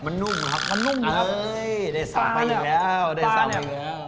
มันนุ่มครับมันนุ่มเอ้ยได้สั่งมาอีกแล้วได้สั่งอีกแล้ว